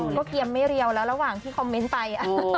ก็เกียมไม่เรียวแล้วระหว่างที่คอมเมนต์ไป